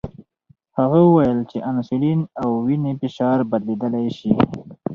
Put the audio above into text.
هغه وویل چې انسولین او وینې فشار بدلیدلی شي.